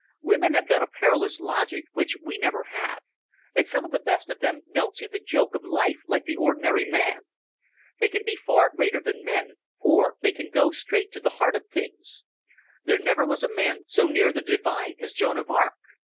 Women have got a perilous logic which we never have, and some of the best of them don't see the joke of life like the ordinary man. They can be far greater than men, for they can go straight to the heart of things. There never was a man so near the divine as Joan of Arc.